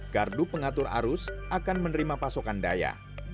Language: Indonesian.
gardu pengatur arus akan menerima pasokan daya